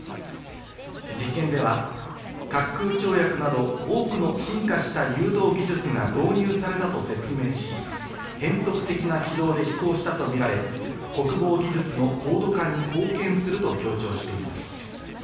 実験では、滑空跳躍など多くの進化した誘導技術が導入されたと説明し、変則的な軌道で飛行したとみられ、国防技術の高度化に貢献すると強調しています。